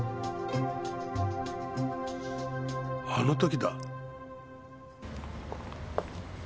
あの時だ。